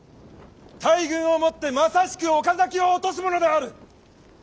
大軍をもってまさしく岡崎を落とすものである！